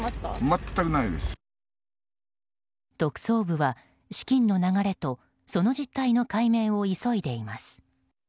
特捜部は資金の流れとその実態の解明を急いでいます。